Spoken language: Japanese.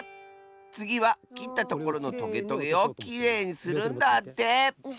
つぎはきったところのトゲトゲをきれいにするんだって！